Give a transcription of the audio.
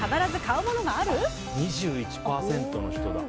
２１％の人だ。